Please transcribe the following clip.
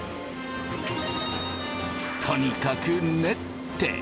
とにかく練って。